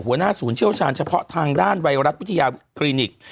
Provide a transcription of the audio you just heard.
หัวหน้าศูนย์เชี่ยวชาญเฉพาะทางด้านไวรัสวิทยาคลินิก